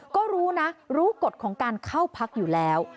ก็รู้นะรู้กฎของการเข้าพักอยู่แล้ว